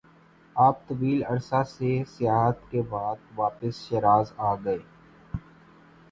آپ طویل عرصہ سے سیاحت کے بعد واپس شیراز آگئے-